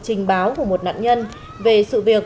trình báo của một nạn nhân về sự việc